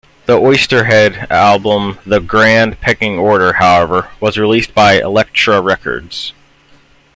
The Oysterhead album "The Grand Pecking Order", however, was released by Elektra Records.